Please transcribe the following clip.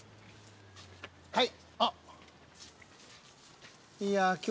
はい。